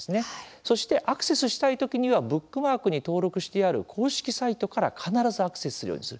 そして、アクセスしたい時には「ブックマーク」に登録してある公式サイトから必ずアクセスするようにする。